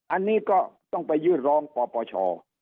อันนี้ก็ต้องไปยื่นร้องปปช